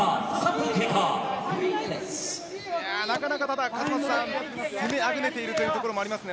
なかなか、ただ勝俣さん攻めあぐねているというところもありますね。